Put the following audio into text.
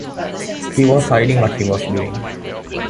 He was hiding what he was doing.